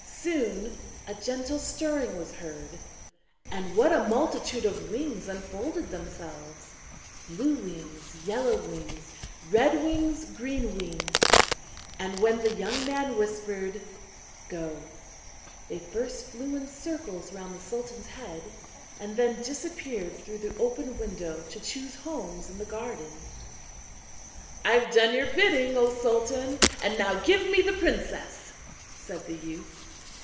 Soon a gentle stirring was heard, and what a multitude of wings unfolded themselves: blue wings, yellow wings, red wings, green wings. And when the young man whispered 'Go,' they first flew in circles round the sultan's head, and then disappeared through the open window, to choose homes in the garden. [Illustration: HOW THE BIRDS WERE BROUGHT TO THE SULTAN] 'I have done your bidding, O Sultan, and now give me the princess,' said the youth.